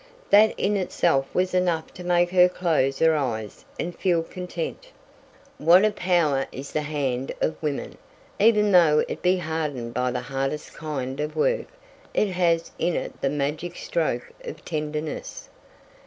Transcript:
That in itself was enough to make her close her eyes and feel content. What a power is the hand of woman! Even though it be hardened by the hardest kind of work it has in it the magic stroke of tenderness.